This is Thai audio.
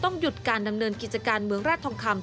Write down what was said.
หยุดการดำเนินกิจการเมืองราชทองคำ